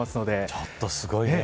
ちょっと、すごいね。